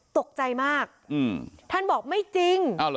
ตกใจมากท่านบอกไม่จริง